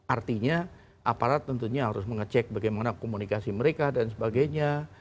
artinya aparat tentunya harus mengecek bagaimana komunikasi mereka dan sebagainya